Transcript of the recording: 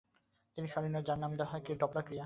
তিনি স্মরণীয়, যার নাম দেওয়া হয় ডপলার ক্রিয়া।